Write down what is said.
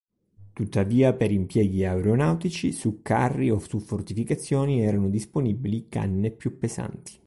Tuttavia, per impieghi aeronautici, su carri o su fortificazioni erano disponibili canne più pesanti.